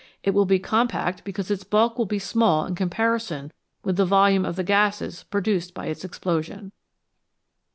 It will be compact because its bulk will be small in com parison with the volume of the gases produced by its explosion.